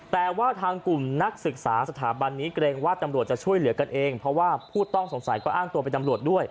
แต่ว่าทางกลุ่มนักศึกษาสถาบันนี้เกรงว่าตำรวจจะช่วยเหลือกันเองเพราะว่าผู้ต้องสงสัยก็อ้างตัวเป็นตำรวจด้วย